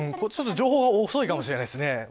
情報が遅いかもしれないですね。